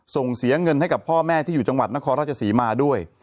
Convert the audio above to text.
ส่งเสียเงินให้กับพ่อแม่ที่อยู่จังหวัดนครราชศรีมาด้วย